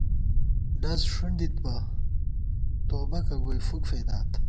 ڈز ݭُنڈِت بہ توبَکہ گوئی فُک فېدات